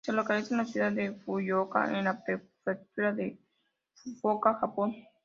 Se localiza en la ciudad de Fukuoka, en la Prefectura de Fukuoka, Japón.